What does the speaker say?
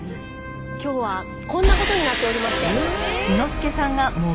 今日はこんなことになっておりまして。